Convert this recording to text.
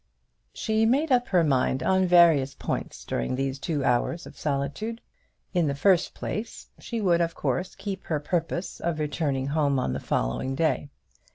She made up her mind on various points during those two hours of solitude. In the first place, she would of course keep her purpose of returning home on the following day.